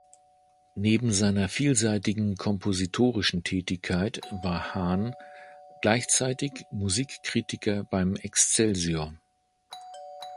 Neben seiner vielseitigen kompositorischen Tätigkeit war Hahn gleichzeitig Musikkritiker beim "Excelsior.